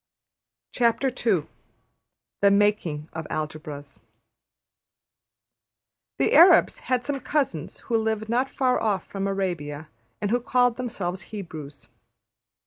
\chapter{The Making of Algebras} The Arabs had some cousins who lived not far off from Arabia and who called themselves Hebrews.